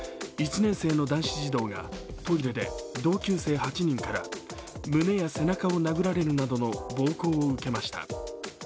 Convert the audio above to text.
１年生の男子児童がトイレで同級生８人から胸や背中を殴られるなどの暴行を受けました。